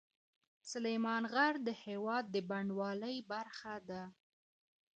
سلیمان غر د هېواد د بڼوالۍ برخه ده.